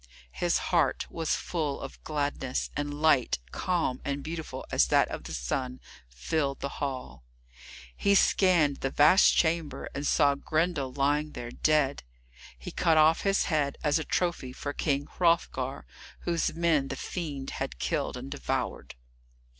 His heart was full of gladness, and light, calm and beautiful as that of the sun, filled the hall. He scanned the vast chamber, and saw Grendel lying there dead. He cut off his head as a trophy for King Hrothgar, whose men the fiend had killed and devoured.